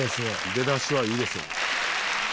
出だしはいいですよ。